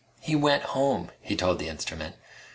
"He went home," he told the instrument.